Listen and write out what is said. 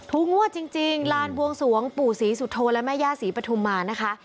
งวดจริงลานบวงสวงปู่ศรีสุโธและแม่ย่าศรีปฐุมานะคะ